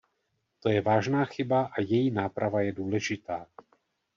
To je vážná chyba a její náprava je důležitá.